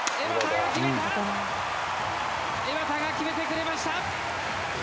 江畑が決めてくれました。